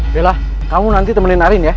yaudah kamu nanti temenin arim ya